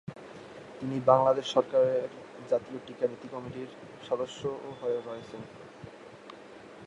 তিনি বাংলাদেশ সরকারের জাতীয় টিকা নীতি কমিটির সদস্যও রয়েছেন।